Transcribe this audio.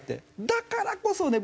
だからこそね